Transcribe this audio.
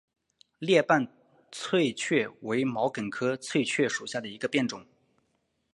裂瓣翠雀为毛茛科翠雀属下的一个变种。